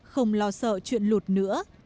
không lo sợ chuyện lụt nữa